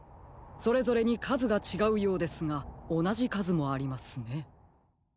それぞれにかずがちがうようですがおなじかずもありますね。